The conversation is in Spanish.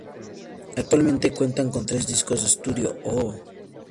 Actualmente cuentan con tres discos de estudio; "Oh!